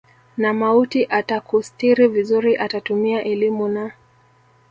na mauti atakustiri vizuri atatumia elimu na